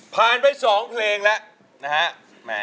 ผ่านไป๒เพลงแล้วนะฮะ